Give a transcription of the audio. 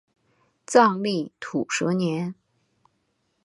藏历土蛇年。